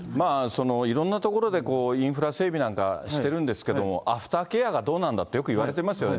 その、いろんなところでインフラ整備なんかしてるんですけども、アフターケアがどうなんだってよく言われてますよね。